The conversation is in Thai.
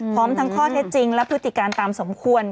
พร้อมทั้งข้อเท็จจริงและพฤติการตามสมควร